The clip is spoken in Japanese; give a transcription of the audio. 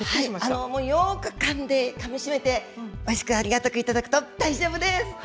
もうよーくかんで、かみしめて、おいしくありがたく頂くと大丈夫です。